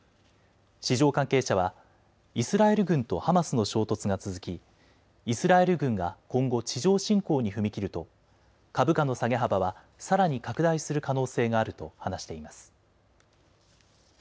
市場関係者はイスラエル軍とハマスの衝突が続きイスラエル軍が今後、地上侵攻に踏み切ると株価の下げ幅はさらに拡大する可能性があると話しています。